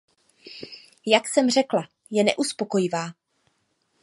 Jak jsem řekla, je neuspokojivá.